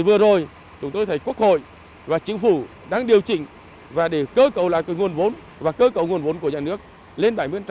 vừa rồi chúng tôi thấy quốc hội và chính phủ đang điều chỉnh và để cơ cấu lại nguồn vốn và cơ cầu nguồn vốn của nhà nước lên bảy mươi